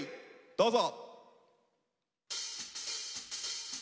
どうぞ。